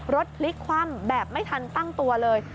รถพลิกคว่ำแบบไม่ทันตั้งตัวเลย